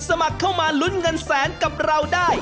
สมัครเข้ามาลุ้นเงินแสนกับเราได้